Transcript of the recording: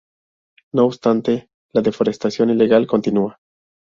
No obstante la deforestación ilegal continúa.